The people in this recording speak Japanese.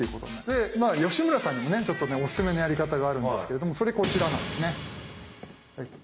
でまあ吉村さんにもねちょっとねおすすめのやり方があるんですけれどもそれこちらなんですね。